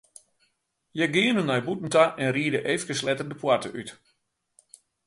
Hja geane nei bûten ta en ride eefkes letter de poarte út.